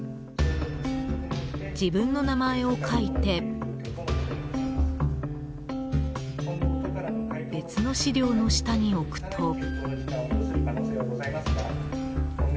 自分の名前を書いて別の資料の下に置くと。